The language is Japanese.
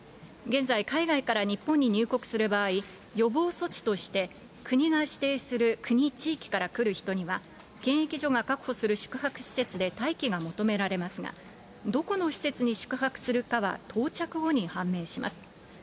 現在、海外から日本に入国する場合、予防措置として、国が指定する国・地域から来る人には、検疫所が確保する宿泊所で待機が求められますが、どこの施設に宿泊するかは、到着後に判明します。